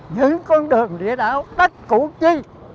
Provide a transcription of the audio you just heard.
những con đường địa đạo đất cũ chi